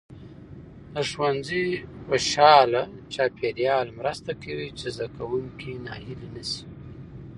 د ښوونځي خوشال چاپیریال مرسته کوي چې زده کوونکي ناهیلي نسي.